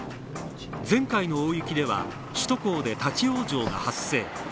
前回の大雪では首都高で立ち往生が発生。